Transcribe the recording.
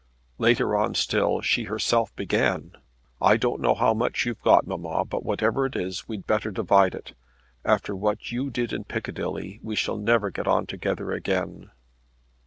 Later on still she herself began. "I don't know how much you've got, mamma; but whatever it is, we'd better divide it. After what you did in Piccadilly we shall never get on together again."